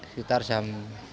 sekitar jam sembilan